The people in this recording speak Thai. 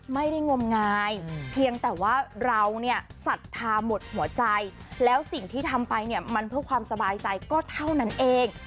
งมงายเพียงแต่ว่าเราเนี่ยศรัทธาหมดหัวใจแล้วสิ่งที่ทำไปเนี่ยมันเพื่อความสบายใจก็เท่านั้นเอง